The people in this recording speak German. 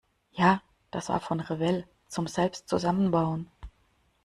Ja, das war von Revell, zum selbst zusammenbauen.